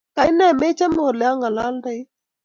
Kainee mechame olengalaldoi?